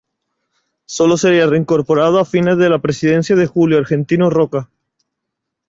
Sólo sería reincorporado a fines de la presidencia de Julio Argentino Roca.